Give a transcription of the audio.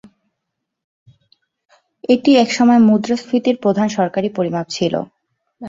এটি একসময় মুদ্রাস্ফীতির প্রধান সরকারি পরিমাপ ছিল।